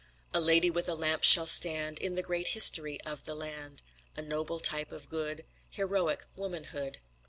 A Lady with a Lamp shall stand, In the great history of the land, A noble type of good, Heroic womanhood.